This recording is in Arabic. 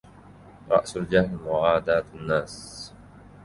رأس الجهل مُعاداة النّاس.